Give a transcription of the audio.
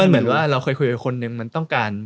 เหมือนว่าเราเคยคุยกับคนหนึ่งมันต้องการ